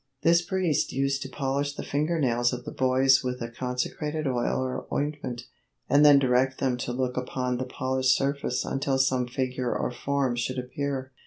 This priest used to polish the finger nails of the boys with a consecrated oil or ointment, and then direct them to look upon the polished surface until some figure or form should appear.